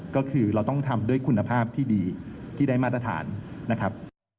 ก็คือเราต้องทำด้วยคุณภาพที่ดีที่ได้มาตรฐานนะครับ